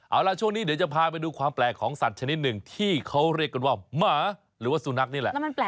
เอาล่ะช่วงนี้เดี๋ยวจะพาไปดูความแปลกของสัตว์ชนิดหนึ่งที่เขาเรียกกันว่าหมาหรือว่าสุนัขนี่แหละ